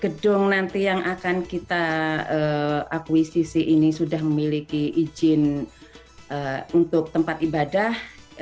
gedung nanti yang akan kita akuisisi ini sudah memiliki izin untuk tempat ibadah